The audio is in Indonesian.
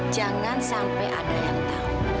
jangan sampai ada yang tahu